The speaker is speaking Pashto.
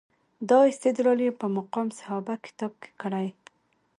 دا استدلال یې په مقام صحابه کتاب کې کړی.